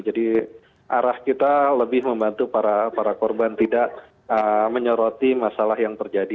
jadi arah kita lebih membantu para korban tidak menyoroti masalah yang terjadi